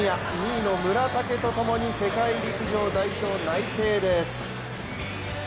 ２位の村竹とともに世界陸上代表内定です。